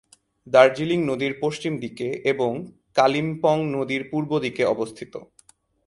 দার্জিলিং নদীর পশ্চিম দিকে এবং কালিম্পং নদীর পূর্ব দিকে অবস্থিত।